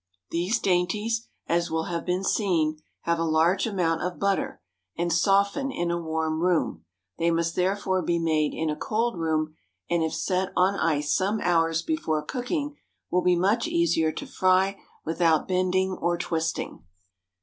These dainties, as will have been seen, have a large amount of butter, and soften in a warm room; they must therefore be made in a cold room, and if set on ice some hours before cooking will be much easier to fry without bending or twisting.